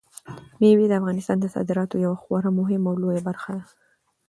مېوې د افغانستان د صادراتو یوه خورا مهمه او لویه برخه ده.